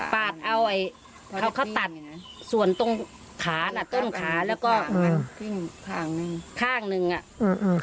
ปาดเอาเขาตัดส่วนต้นขาแล้วก็ข้างหนึ่งน่ะ